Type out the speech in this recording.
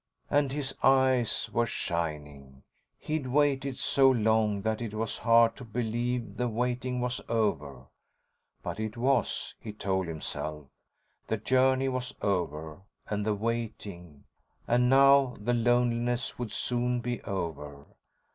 And his eyes were shining. He'd waited so long that it was hard to believe the waiting was over. But it was, he told himself. The journey was over, and the waiting, and now the loneliness would soon be over.